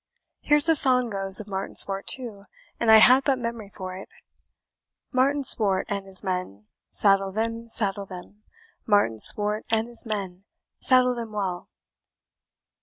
Here's a song goes of Martin Swart, too, an I had but memory for it: 'Martin Swart and his men, Saddle them, saddle them, Martin Swart and his men; Saddle them well.'"